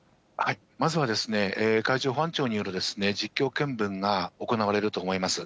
まずは、海上保安庁による実況見分が行われると思います。